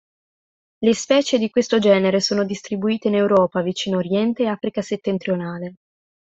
Le specie di questo genere sono distribuite in Europa, Vicino oriente e Africa settentrionale.